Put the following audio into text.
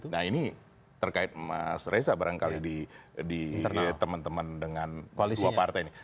nah ini terkait mas reza barangkali di teman teman dengan dua partai ini